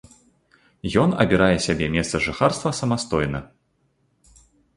Ён абірае сябе месца жыхарства самастойна.